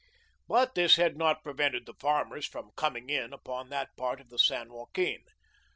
But this had not prevented the farmers from "coming in" upon that part of the San Joaquin.